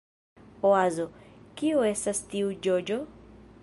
Oazo: "Kiu estas tiu ĝoĝo?"